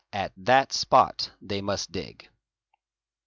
At that spot they must dig.